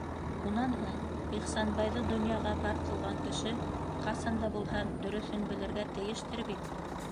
Унан һуң, Ихсанбайҙы донъяға бар ҡылған кеше ҡасан да булһа дөрөҫөн белергә тейештер бит?